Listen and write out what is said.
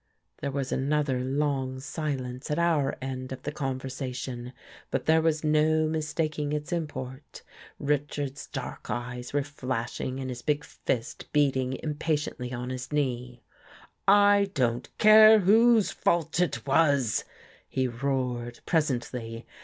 " There was another long silence at our end of the conversation, but there was no mistaking its import. Richards's dark eyes were flashing and his big fist beating impatiently on his knee. " I don't care whose fault it was," he roared pres ently.